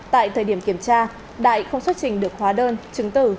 tại thời điểm kiểm tra đại không xuất trình được khóa đơn chứng từ